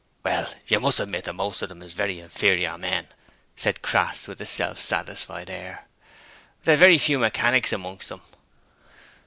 'Well you must admit that most of them is very inferior men,' said Crass with a self satisfied air. 'There's very few mechanics amongst em.'